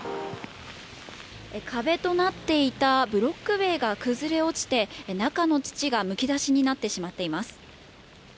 壁となっていたブロック塀が崩れ落ちて、中の土がむき出しになってしまっています。